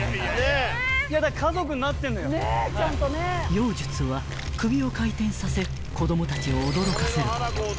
［妖術は首を回転させ子供たちを驚かせること］